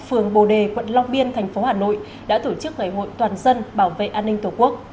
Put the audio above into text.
phường bồ đề quận long biên thành phố hà nội đã tổ chức ngày hội toàn dân bảo vệ an ninh tổ quốc